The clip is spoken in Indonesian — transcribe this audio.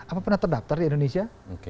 apa pernah terdaftar di indonesia